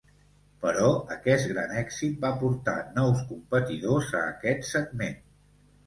Però aquest gran èxit va portar nous competidors a aquest segment.